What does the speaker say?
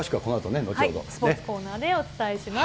スポーツコーナーでお伝えします。